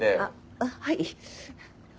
あっはい。